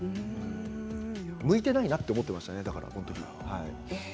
向いていないなと思っていましたね。